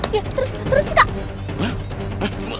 terus terus enggak